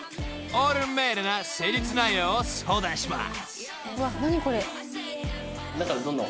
［オーダーメードな施術内容を相談します］